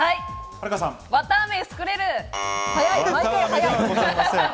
わたあめ作れる。